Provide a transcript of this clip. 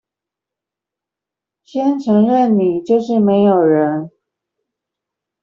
先承認你就是沒有人